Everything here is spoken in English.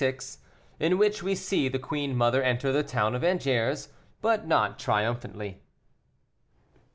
IN WHICH WE SEE THE QUEEN MOTHER ENTER THE TOWN OF ANGERS, BUT NOT TRIUMPHANTLY.